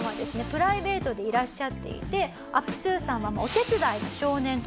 プライベートでいらっしゃっていてアプスーさんはお手伝いの少年という事で。